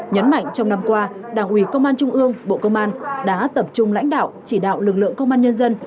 nhấn mạnh trong năm qua đảng ủy công an trung ương bộ công an đã tập trung lãnh đạo chỉ đạo lực lượng công an nhân dân